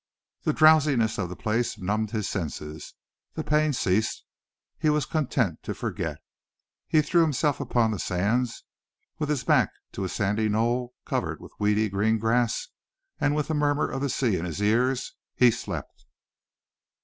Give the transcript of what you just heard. The drowsiness of the place numbed his senses. The pain ceased. He was content to forget. He threw himself upon the sands, with his back to a sandy knoll covered with weedy green grass, and with the murmur of the sea in his ears, he slept.